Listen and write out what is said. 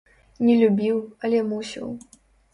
Не любіў, але мусіў.